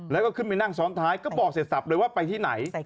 แล้วก็ขึ้นไปนั่งซ้อนท้ายก็บอกเสร็จสับเลยว่าไปที่ไหน